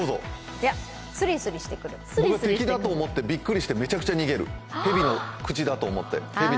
敵だと思ってびっくりしてめちゃくちゃ逃げる、蛇の口だと思って。